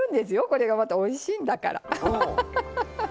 これが、またおいしいんだから。